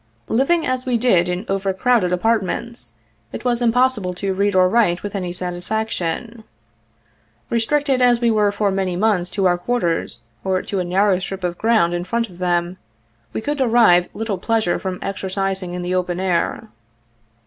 Living as we did in overcrowded apartments, it was impossible to read or write with any satisfaction. Restricted as we were for many months to our quarters or to a narrow strip of ground in front of them, we could derive little pleasure from exercising in the open air.